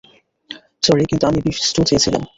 Sorry, কিন্তু আমি beef stew চেয়েছিলাম।